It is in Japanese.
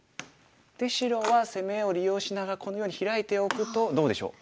で白は攻めを利用しながらこのようにヒラいておくとどうでしょう？